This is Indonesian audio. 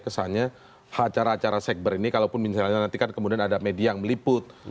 kesannya acara acara segber ini kalaupun misalnya nantikan kemudian ada media yang meliput